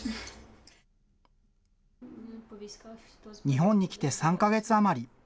日本に来て３か月余り。